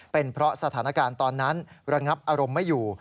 เป็นเพราะสถานการณ์ตอนนั้นระงับอารมณ์ไม่อยู่